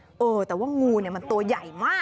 เออแต่ว่างูมันตัวใหญ่มาก